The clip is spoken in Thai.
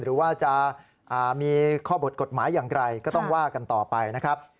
หรือว่าจะมีข้อบทกฎหมายอย่างไรก็ต้องว่ากันต่อไปนะครับ